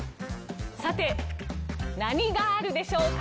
さて何ガールでしょうか？